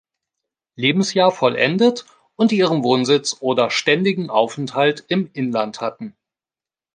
Lebensjahr vollendet und ihren Wohnsitz oder ständigen Aufenthalt im Inland hatten.